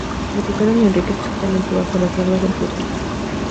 Educaron a Enrique estrictamente bajo las normas del pietismo.